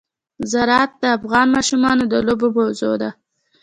زراعت د افغان ماشومانو د لوبو موضوع ده.